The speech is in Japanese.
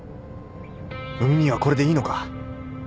海兄はこれでいいのか？